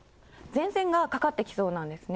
前線がかかってきそうなんですね。